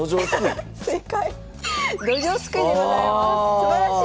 すばらしい！